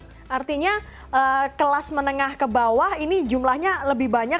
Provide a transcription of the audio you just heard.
artinya kelas menengah ke bawah ini jumlahnya lebih banyak